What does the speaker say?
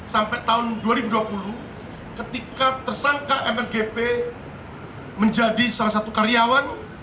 sampai tahun dua ribu dua puluh ketika tersangka mlgp menjadi salah satu karyawan